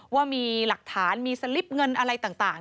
ว่ามีหลักฐานมีสลิปเงินอะไรต่าง